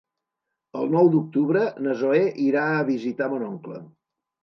El nou d'octubre na Zoè irà a visitar mon oncle.